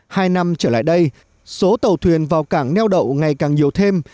hai năm trở lại đây số tàu thuyền vào cảng neo đậu ngày càng nhiều thêm